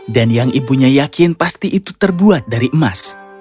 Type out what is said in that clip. dan yang ibunya yakin pasti itu terbuat dari emas